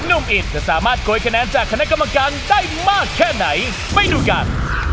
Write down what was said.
อิดจะสามารถโกยคะแนนจากคณะกรรมการได้มากแค่ไหนไปดูกัน